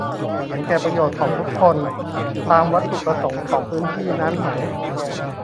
เห็นแก่ประโยชน์ของทุกคนตามวัตถุประสงค์ของพื้นที่นั้นไหม